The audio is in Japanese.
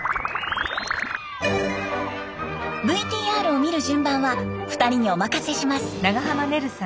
ＶＴＲを見る順番は２人にお任せします。